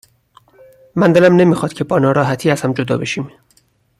من دلم نمیخواد که با ناراحتی از هم جدا بشیم.